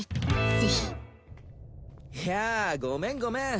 ぜひいやあごめんごめん